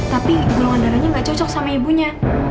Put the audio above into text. tapi golongan darahnya nggak cocok sama ibunya